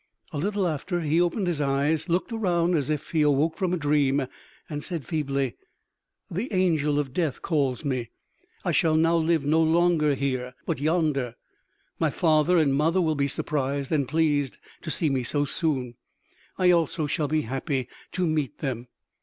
A little after he opened his eyes, looked around as if he awoke from a dream, and said feebly: "The angel of death calls me.... I shall now live no longer here but yonder.... My father and mother will be surprised and pleased to see me so soon.... I also shall be happy to meet them."